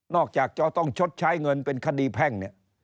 นอกจากจะต้องชดใช้เงินเป็นคดีแพ่ง